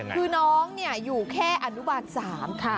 คือน้องอยู่แค่อนุบาล๓ค่ะ